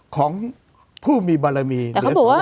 ของผู้มีบารมีเหลือสอวอ